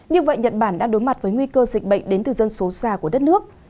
như vậy nhật bản đã đối mặt với nguy cơ dịch bệnh đến từ dân số xa của đất nước